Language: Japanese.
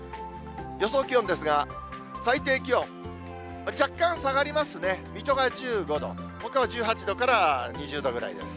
予想気温ですが、最低気温、若干下がりますね、水戸が１５度、ほかは１８度から２０度ぐらいです。